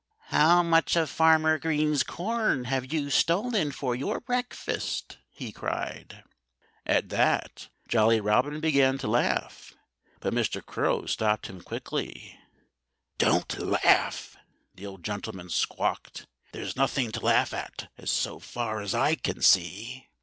"How much of Farmer Green's corn have you stolen for your breakfast?" he cried. At that Jolly Robin began to laugh. But Mr. Crow stopped him quickly. "Don't laugh!" the old gentleman squawked. "There's nothing to laugh at, so far as I can see."